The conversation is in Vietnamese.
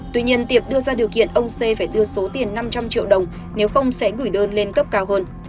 tuy nhiên tiệp đưa ra điều kiện ông c phải đưa số tiền năm trăm linh triệu đồng nếu không sẽ gửi đơn lên cấp cao hơn